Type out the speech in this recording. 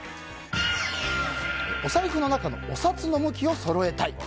お財布の中のお札の向きをそろえたい。